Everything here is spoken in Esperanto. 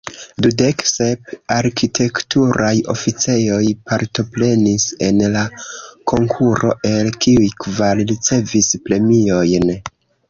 Dudek sep arkitekturaj oficejoj partoprenis en la konkuro, el kiuj kvar ricevis premiojn.